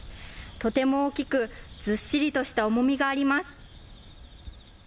とても大きく、ずっしりとした重みがあります。